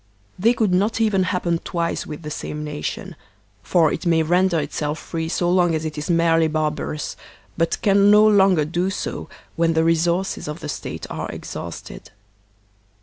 They could not even hap pen twice with the saime nation; for it may render itself free so long as it is merely barbarous, but can no longer do so when the resources of the State are exhausted.